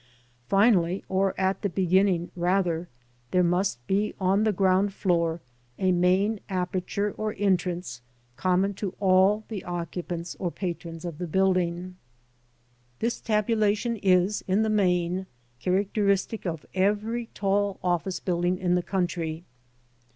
Finally, or at the beginning rather, there must be on the ground floor a main aperture or entrance common to all the occupants or patrons of the building. This tabulation is, in the main, characteristic of every tall office building in the country.